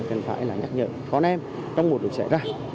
cần phải nhắc nhở con em trong một lúc xảy ra